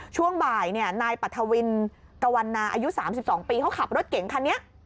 ช่วงบ่ายนายปัทวินตะวันนาอายุ๓๒ปีเขาขับรถเก่งคันนี้